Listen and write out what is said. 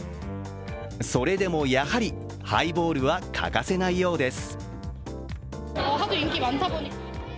それでもやはりハイボールは欠かせないようです。